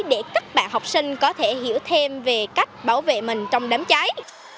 để các bạn học sinh có thể hiểu thêm về cách bảo vệ mình trong đám cháy